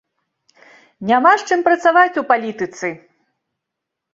Няма з чым працаваць у палітыцы!